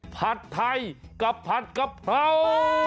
ผัดไทยกับผัดกะเพรา